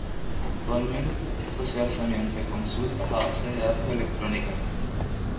Actualmente esto se hace mediante consultas a bases de datos electrónicas.